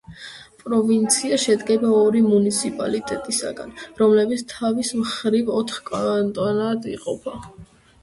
პროვინცია შედგება ორი მუნიციპალიტეტისაგან, რომლებიც თავის მხრივ ოთხ კანტონად იყოფა.